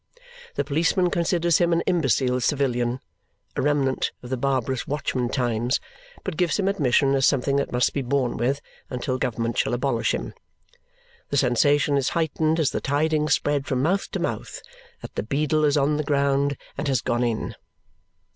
The policeman considers him an imbecile civilian, a remnant of the barbarous watchmen times, but gives him admission as something that must be borne with until government shall abolish him. The sensation is heightened as the tidings spread from mouth to mouth that the beadle is on the ground and has gone in.